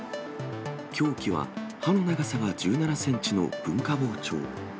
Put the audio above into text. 凶器は刃の長さが１７センチの文化包丁。